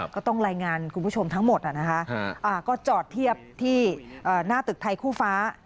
ก็ต้องรายงานคุณผู้ชมทั้งหมดนะคะก็จอดเทียบที่หน้าตึกไทยคู่ฟ้า